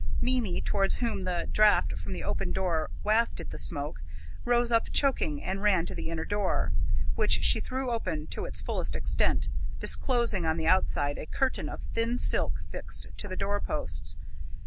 Mimi, towards whom the draught from the open door wafted the smoke, rose up choking, and ran to the inner door, which she threw open to its fullest extent, disclosing on the outside a curtain of thin silk, fixed to the doorposts.